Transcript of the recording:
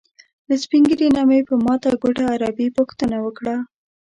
له سپین ږیري نه مې په ماته ګوډه عربي پوښتنه وکړه.